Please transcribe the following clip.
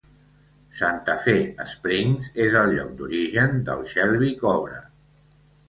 Santa Fe Springs és el lloc d'origen del Shelby Cobra.